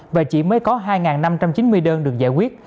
và chỉ mới có hai năm trăm chín mươi đơn được giải quyết